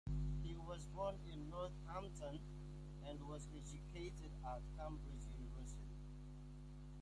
He was born in Northampton, and was educated at Cambridge University.